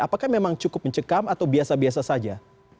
apakah memang cukup mencekam atau biasa biasa saja